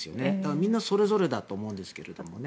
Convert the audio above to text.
みんなそれぞれだと思うんですけどね。